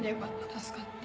助かった